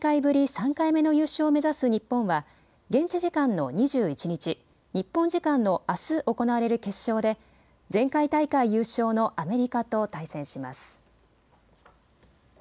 ３回目の優勝を目指す日本は現地時間の２１日、日本時間のあす行われる決勝で前回大会優勝のアメリカと対戦します。